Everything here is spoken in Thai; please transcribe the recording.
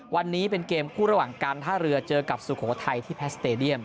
วันนี้เป็นเกมคู่ระหว่างการท่าเรือเจอกับสุโขทัยที่แพสเตดียม